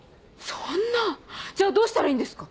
そんなじゃあどうしたらいいんですか？